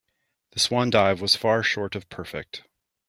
The swan dive was far short of perfect.